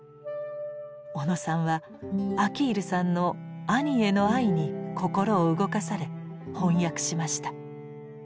小野さんはアキールさんの兄への愛に心を動かされ翻訳しました。